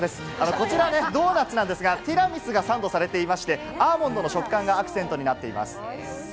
こちらドーナツなんですが、ティラミスがサンドされていまして、アーモンドの食感がアクセントになっています。